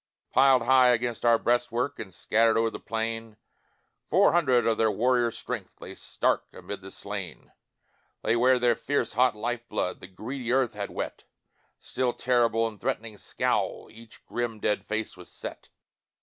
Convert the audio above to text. Piled high against our breastwork, And scattered o'er the plain, Four hundred of their warrior strength Lay stark amid the slain Lay where their fierce hot lifeblood The greedy earth had wet Still terrible, in threatening scowl, Each grim dead face was set.